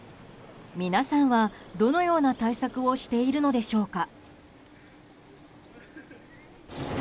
皆さんはどのような対策をしているのでしょうか。